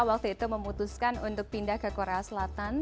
waktu itu memutuskan untuk pindah ke korea selatan